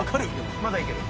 まだいける。